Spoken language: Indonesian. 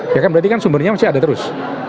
ya kan berarti kan sumbernya masih ada terus